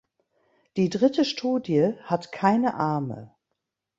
Die dritte Studie hat keine Arme.